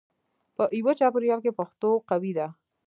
په یوه چاپېریال کې پښتو قوي ده.